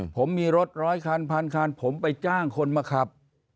ผมมีรถร้อยคันพันคันผมไปจ้างคนมาขับ